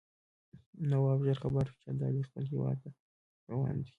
نواب ژر خبر شو چې ابدالي خپل هیواد ته روان دی.